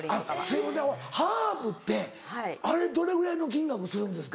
すいませんハープってあれどれぐらいの金額するんですか？